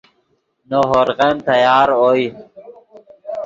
نے ہورغن تیار اوئے